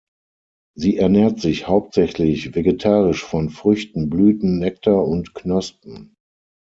Sie ernährt sich hauptsächlich vegetarisch von Früchten, Blüten, Nektar und Knospen.